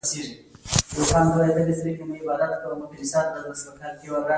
هر درد په خاموشه زړه تيروم